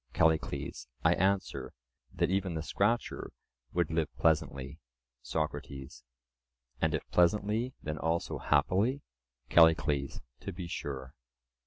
CALLICLES: I answer, that even the scratcher would live pleasantly. SOCRATES: And if pleasantly, then also happily? CALLICLES: To be sure.